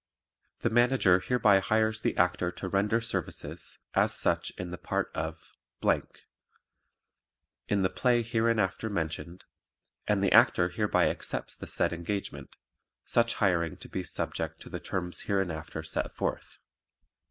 The Manager hereby hires the Actor to render services, as such in the part of , in the play hereinafter mentioned, and the Actor hereby accepts the said engagement; such hiring to be subject to the terms hereinafter set forth.